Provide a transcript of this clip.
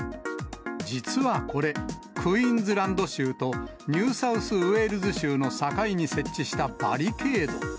実はこれ、クイーンズランド州とニューサウスウェールズ州の境に設置したバリケード。